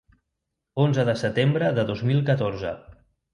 Onze de setembre de dos mil catorze.